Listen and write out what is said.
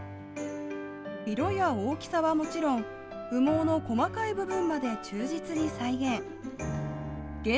色や大きさはもちろん、羽毛の細かい部分まで忠実に再現。